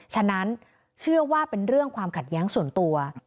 ฉะนั้นเชื่อว่าเป็นเรื่องความขัดแย้งส่วนตัว